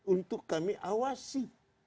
untuk kami awasi